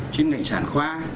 chuyên ngành sản khoa